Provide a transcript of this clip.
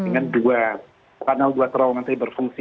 dengan dua kanal dua terowongan tadi berfungsi